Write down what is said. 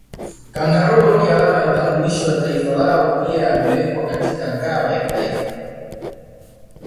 Kangaroo ni alama ya utambulisho wa taifa lao pia amewekwa katika ngao ya Taifa